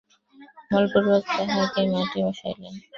বলপূর্বক তাঁহাকে মাটিতে বসাইলেন।